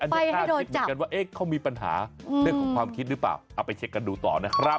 ไปให้โดนจับเอ๊ะเขามีปัญหาเรื่องของความคิดหรือเปล่าเอาไปเช็คกันดูต่อนะครับ